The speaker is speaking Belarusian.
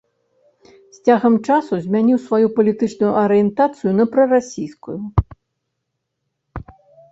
З цягам часу змяніў сваю палітычную арыентацыю на прарасійскую.